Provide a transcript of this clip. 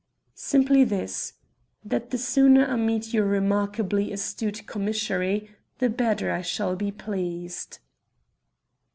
"Simply this, that the sooner I meet your remarkably astute commissary the better I shall be pleased."